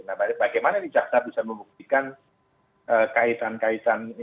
nah bagaimana ini jaksa bisa membuktikan kaitan kaitan ini